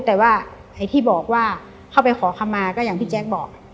แต่ว่าไอ้ที่บอกว่าเข้าไปขอคำมาก็อย่างพี่แจ๊คบอก